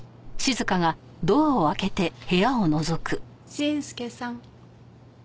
信祐さん。